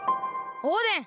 オーデン